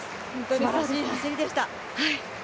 すばらしい走りでした。